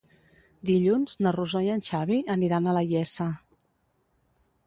Dilluns na Rosó i en Xavi aniran a la Iessa.